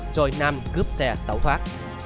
rồi nam cướp xe tẩu thoát